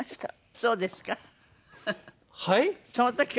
そうですよ。